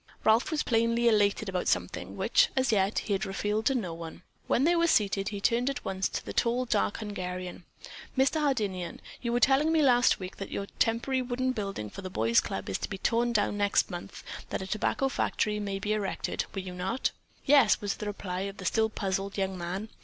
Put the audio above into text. Ralph was plainly elated about something, which, as yet, he had revealed to no one. When they were seated, he turned at once to the tall, dark Hungarian. "Mr. Hardinian, you were telling me last week that your temporary wooden building for the Boys' Club is to be torn down next month that a tobacco factory may be erected, were you not?" "Yes," was the reply of the still puzzled young man.